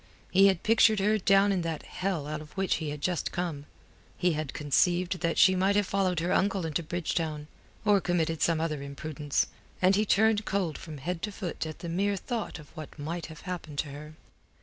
He had pictured her down in that hell out of which he had just come. He had conceived that she might have followed her uncle into Bridgetown, or committed some other imprudence, and he turned cold from head to foot at the mere thought of what might have happened to her.